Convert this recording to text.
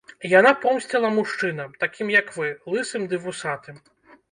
Яна помсціла мужчынам, такім, як вы, лысым ды вусатым.